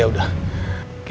ya udah catherine